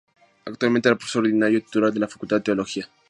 Actualmente es profesor ordinario titular de la Facultad de Teología.